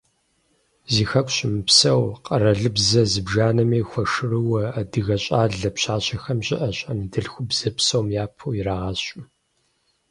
Зи Хэку щымыпсэу, къэралыбзэ зыбжанэми хуэшэрыуэ адыгэ щӀалэ, пщащэхэр щыӀэщ, анэдэлъхубзэр псом япэ ирагъэщу.